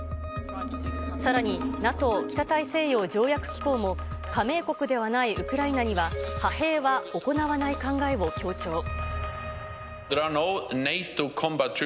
さらに、ＮＡＴＯ・北大西洋条約機構も、加盟国ではないウクライナには、派兵は行わない考えを強調。